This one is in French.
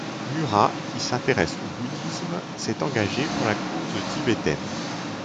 Murat, qui s'intéresse au bouddhisme, s'est engagé pour la cause tibétaine.